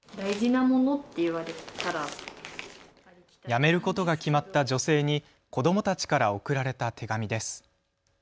辞めることが決まった女性に子どもたちから送られた手紙です。